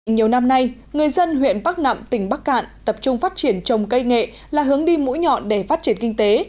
nhiều năm nay người dân huyện bắc nạm tỉnh bắc cạn tập trung phát triển trồng cây nghệ là hướng đi mũi nhọn để phát triển kinh tế